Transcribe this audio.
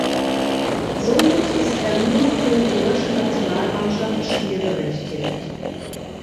Somit ist er nur noch für die deutsche Nationalmannschaft spielberechtigt.